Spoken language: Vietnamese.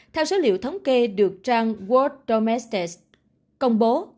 theo số liệu thống kê được trang world domestic công bố